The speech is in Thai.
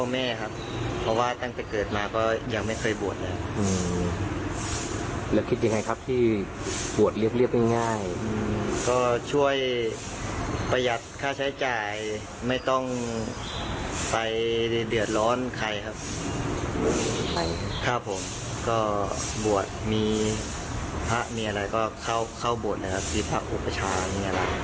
มีอะไรก็เข้าบวชนะครับที่พระอุปชามีอะไรครับผม